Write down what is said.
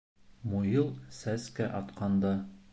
Муйыл сәскә атҡанда